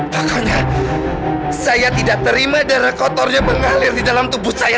makanya saya tidak terima darah kotornya mengalir di dalam tubuh saya